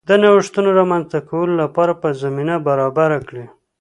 د نوښتونو رامنځته کولو لپاره به زمینه برابره کړي